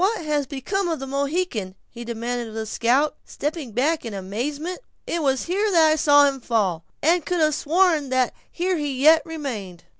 "What has become of the Mohican?" he demanded of the scout, stepping back in amazement; "it was here that I saw him fall, and could have sworn that here he yet remained."